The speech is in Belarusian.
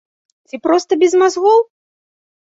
Ці проста без мазгоў?